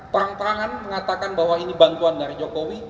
terang terangan mengatakan bahwa ini bantuan dari jokowi